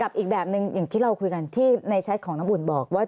อีกแบบนึงอย่างที่เราคุยกันที่ในแชทของน้ำอุ่นบอกว่า